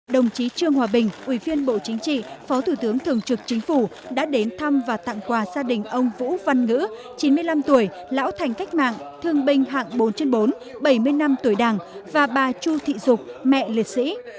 đồng chí trương hòa bình ủy viên bộ chính trị phó thủ tướng thường trực chính phủ đã đến thăm và tặng quà gia đình ông vũ văn ngữ chín mươi năm tuổi lão thành cách mạng thương binh hạng bốn trên bốn bảy mươi năm tuổi đảng và bà chu thị dục mẹ liệt sĩ